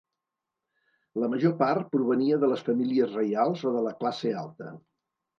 La major part provenia de les famílies reials o de la classe alta.